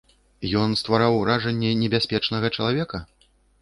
Ён ствараў уражанне небяспечнага чалавека?